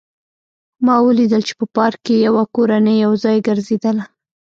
ما ولیدل چې په پارک کې یوه کورنۍ یو ځای ګرځېدله